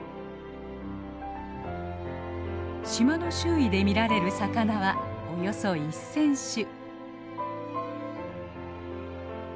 島の周囲で見られる魚はおよそ１，０００種。